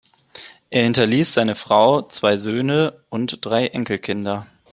Er hinterließ seine Frau, zwei Söhne und drei Enkelkinder.